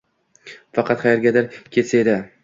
Faqat qayergadir ketsa edi.